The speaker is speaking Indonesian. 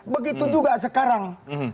begitu juga sekarang